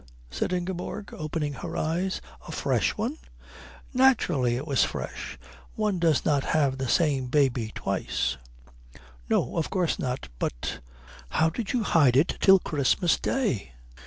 said Ingeborg, opening her eyes. "A fresh one?" "Naturally it was fresh. One does not have the same baby twice." "No, of course not. But how did you hide it till Christmas day?"